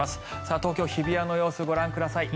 東京・日比谷の様子ご覧ください。